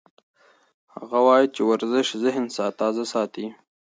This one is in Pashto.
هغه وایي چې ورزش ذهن تازه ساتي.